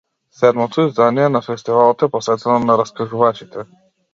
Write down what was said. Седмото издание на фестивалот е посветено на раскажувачите.